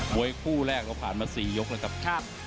บ๊วยคู่แรกก็ผ่านมา๔ยกแล้วกับ